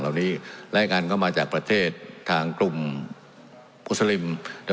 เหล่านี้และอีกอันก็มาจากประเทศทางกลุ่มพุทธริมโดย